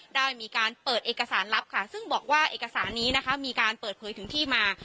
ได้มีการเปิดเอกสารลับค่ะซึ่งบอกว่าเอกสารนี้นะคะมีการเปิดเผยถึงที่มา